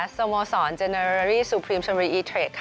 สมสรรค์เจนเรอร์รีรีซูพรีมชุมรีอีเทค